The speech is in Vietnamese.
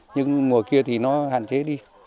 nhưng mùa kia thì nó hạn chế đi